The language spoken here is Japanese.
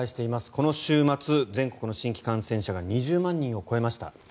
この週末、全国の新規感染者が２０万人を超えました。